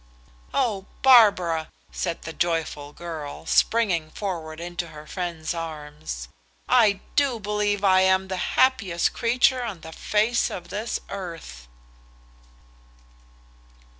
"Oh, Barbara!" said the joyful girl, springing forward into her friend's arms; "I do believe I am the happiest creature on the face of this earth!"